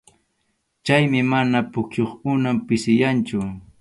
Chaymi mana pukyup unun pisiyanchu.